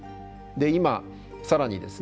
今更にですね